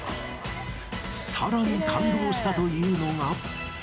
さらに感動したというのが。